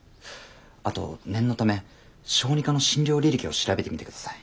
あと念のため小児科の診療履歴を調べてみて下さい。